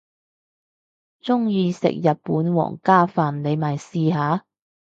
鍾意食日本皇家飯你咪試下